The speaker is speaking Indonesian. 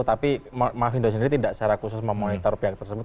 tapi mahfindo sendiri tidak secara khusus memonitor pihak tersebut